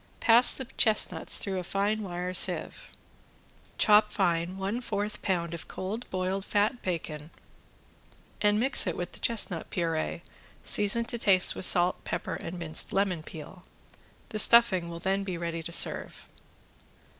Pass the chestnuts through a fine wire sieve. Chop fine one fourth pound of cold boiled fat bacon and mix it with the chestnut puree, season to taste with salt, pepper and minced lemon peel. The stuffing will then be ready to serve.